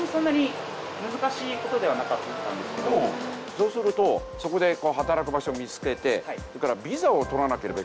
そうするとそこで働く場所を見つけてそれからビザを取らなければいけません。